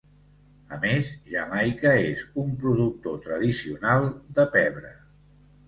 A més, Jamaica és un productor tradicional de pebre.